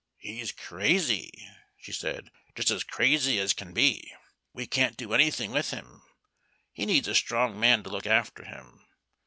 "He's crazy," she said, "just as crazy as can be. We can't do anything with him. He needs a strong man to look after him.